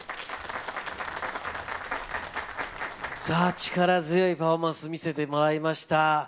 さあ、力強いパフォーマンス、見せてもらいました。